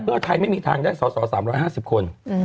เพื่อไทยไม่มีทางได้สอสอ๓๕๐คน